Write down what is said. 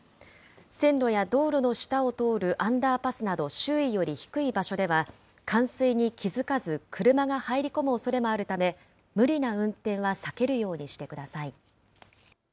線路や道路の下を通るアンダーパスなど周囲より低い場所では、冠水に気付かず、車が入り込むおそれもあるため、無理な運転は避けるようにしてください。